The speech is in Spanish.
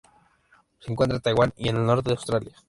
Se encuentra en Taiwán y al norte de Australia.